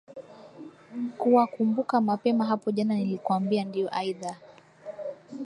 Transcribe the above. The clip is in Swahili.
kuwa kumbuka mapema hapo jana nilikwambia ndiyo aidha